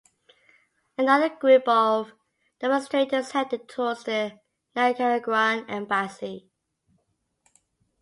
Another group of demonstrators headed towards the Nicaraguan embassy.